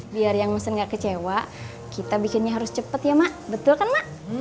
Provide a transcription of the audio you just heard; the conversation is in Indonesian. biar yang bisa enggak kecewa kita bikinnya harus cepet ya mak betul kan